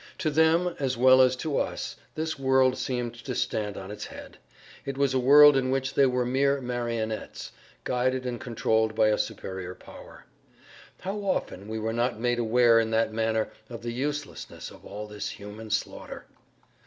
To them as well as to us this world seemed to stand on its head; it was a world in which they were mere marionettes, guided and controlled by a superior power. How often were we not made aware in that manner of the uselessness of all this human slaughter!